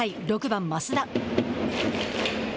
６番増田。